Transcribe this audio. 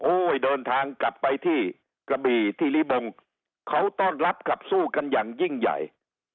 เดินทางกลับไปที่กระบี่ที่ลิบงเขาต้อนรับขับสู้กันอย่างยิ่งใหญ่